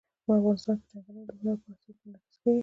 افغانستان کې چنګلونه د هنر په اثار کې منعکس کېږي.